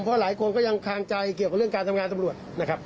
เพราะหลายคนก็ยังคางใจเกี่ยวกับเรื่องการทำงานตำรวจนะครับ